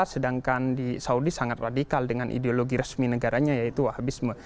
sedangkan di saudi sangat radikal dengan ideologi resmi negaranya yaitu wahabisme